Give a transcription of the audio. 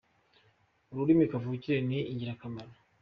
Ururimi kavukire ni ingirakamaro.